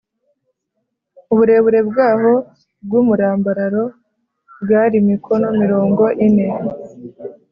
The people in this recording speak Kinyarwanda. uburebure bwaho bw’umurambararo bwari mikono mirongo ine